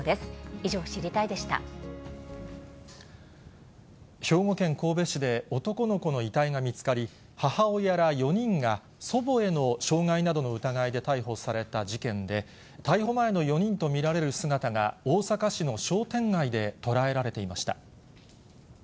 以上、兵庫県神戸市で男の子の遺体が見つかり、母親ら４人が祖母への傷害などの疑いで逮捕された事件で、逮捕前の４人と見られる姿が大阪市の商店街で捉えられていました。